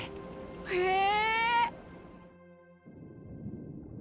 へえ！